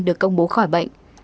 được công bố khỏi bệnh